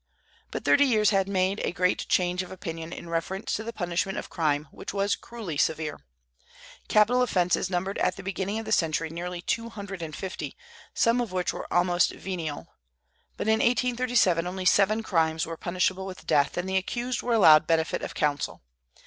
But thirty years had made a great change of opinion in reference to the punishment of crime, which was cruelly severe. Capital offences numbered at the beginning of the century nearly two hundred and fifty, some of which were almost venial; but in 1837 only seven crimes were punishable with death, and the accused were allowed benefit of counsel.